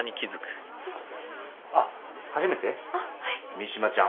三島ちゃん。